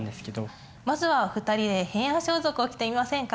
まずは２人で平安装束を着てみませんか？